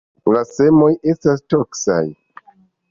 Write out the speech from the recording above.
La semoj estas toksaj.